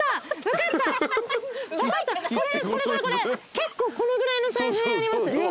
結構このぐらいのサイズであります。